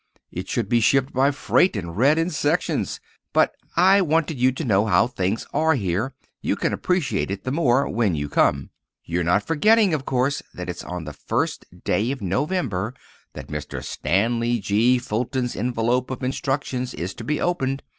It should be shipped by freight and read in sections. But I wanted you to know how things are here. You can appreciate it the more—when you come. You're not forgetting, of course, that it's on the first day of November that Mr. Stanley G. Fulton's envelope of instructions is to be opened.